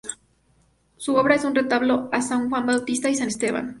La obra es un retablo a San Juan Bautista y San Esteban.